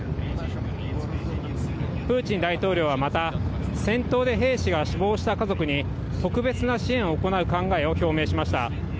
プーチン大統領はまた、戦闘で兵士が死亡した家族に、特別な支援を行う考えを表明しました。